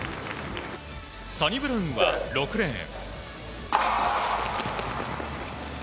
サニブラウンは６レーン。